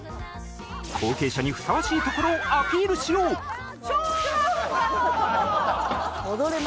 後継者にふさわしいところをアピールしよう小学校の！